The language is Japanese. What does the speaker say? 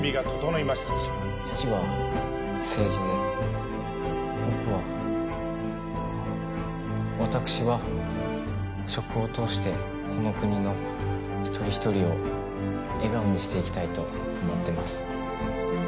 父は政治で僕はあっわたくしは食を通してこの国の一人一人を笑顔にしていきたいと思ってます。